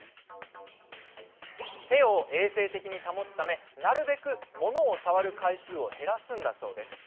手を衛生的に保つためなるべくものを触る回数を減らすんだそうです。